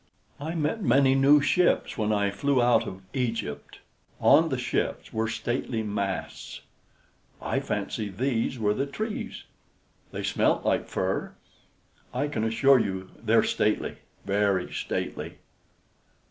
I met many new ships when I flew out of Egypt; on the ships were stately masts; I fancy these were the trees. They smelt like fir. I can assure you they're stately very stately."